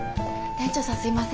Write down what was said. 店長さんすいません。